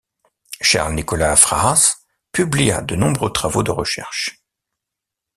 Charles Nicolas Fraas publia de nombreux travaux de recherches.